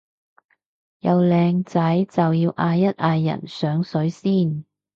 有靚仔就要嗌一嗌人上水先